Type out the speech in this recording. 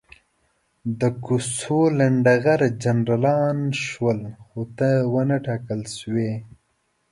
د کوڅو لنډه غر جنرالان شول، خو ته ونه ټاکل شوې.